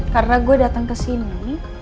karena gue datang kesini